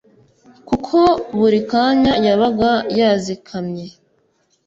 kuko buri kanya yabaga yazikamye